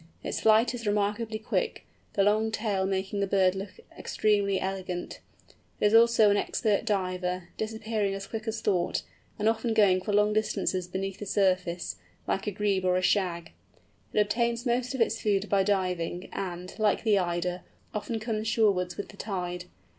Its flight is remarkably quick, the long tail making the bird look extremely elegant. It is also an expert diver, disappearing as quick as thought, and often going for long distances beneath the surface, like a Grebe or a Shag. It obtains most of its food by diving, and, like the Eider, often comes shorewards with the tide.